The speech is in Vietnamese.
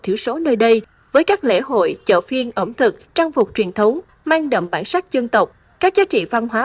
thiểu số nơi đây với các lễ hội chợ phiên ẩm thực trang phục truyền thống mang đậm bản sắc dân tộc các giá trị văn hóa